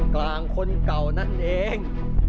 กลางคนเก่านั่นเอง